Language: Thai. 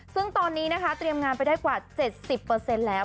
ซึ่งตอนนี้นะคะเตรียมงานไปได้กว่า๗๐แล้ว